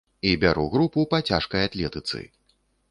І бяру групу па цяжкай атлетыцы.